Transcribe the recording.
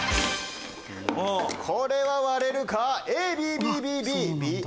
これは割れるか？